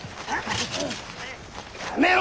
やめろ！